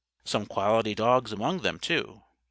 "Some quality dogs among them, too.